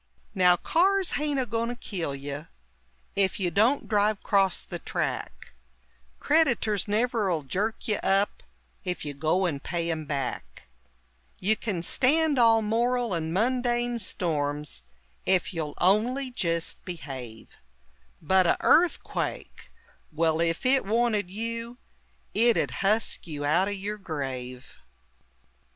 Now cars haint a goin' to kill you Ef you don't drive 'crost the track; Crediters never'll jerk you up Ef you go and pay 'em back; You kin stand all moral and mundane storms Ef you'll on'y jist behave But a' EARTHQUAKE: well, ef it wanted you It 'ud husk you out o' yer grave!